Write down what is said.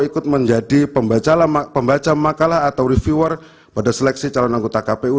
ikut menjadi pembaca makalah atau reviewer pada seleksi calon anggota kpu